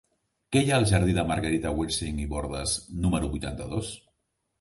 Què hi ha al jardí de Margarita Wirsing i Bordas número vuitanta-dos?